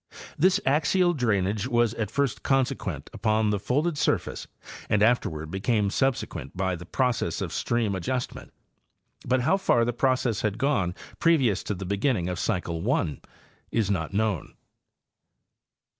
This axial drainage was at first consequent upon the folded sur face and afterward became subsequent by the process of stream adjustment, but how far the process had gone previous to the beginning of cycle 1 is not known.